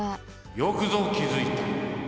・よくぞきづいた！